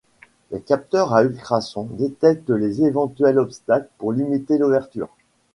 Des capteurs à ultrasons détectent les éventuels obstacles pour limiter l'ouverture.